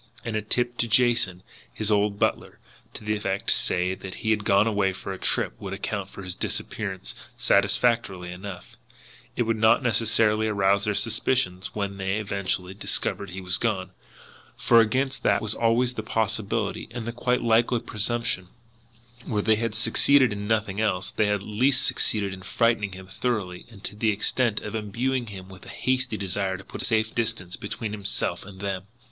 And a tip to Jason, his old butler, to the effect, say, that he had gone away for a trip, would account for his disappearance satisfactorily enough; it would not necessarily arouse their suspicions when they eventually discovered he was gone, for against that was always the possible, and quite likely presumption that, where they had succeeded in nothing else, they had at least succeeded in frightening him thoroughly and to the extent of imbuing him with a hasty desire to put a safe distance between himself and them.